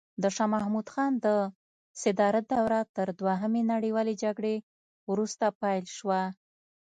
د شاه محمود خان د صدارت دوره تر دوهمې نړیوالې جګړې وروسته پیل شوه.